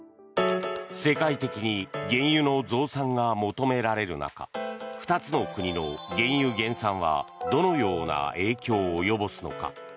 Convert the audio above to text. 世界的に原油の増産が求められる中２つの国の原油減産はどのような影響を及ぼすのか。